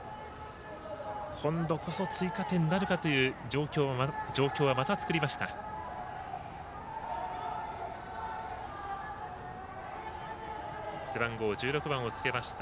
今度こそ追加点なるかという状況はまた作りました。